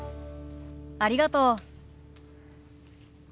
ありがとう。